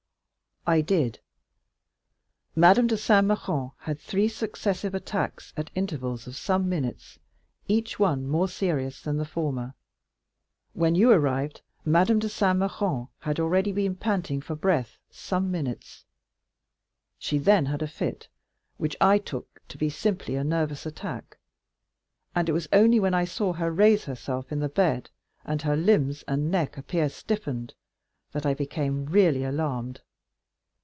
"I did. Madame de Saint Méran had three successive attacks, at intervals of some minutes, each one more serious than the former. When you arrived, Madame de Saint Méran had already been panting for breath some minutes; she then had a fit, which I took to be simply a nervous attack, and it was only when I saw her raise herself in the bed, and her limbs and neck appear stiffened, that I became really alarmed.